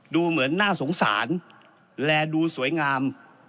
ดูเหมือนน่าสงสารและดูสวยงาม